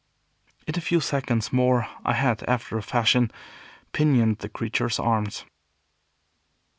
In a few seconds more I had, after a fashion, pinioned the creature's arms.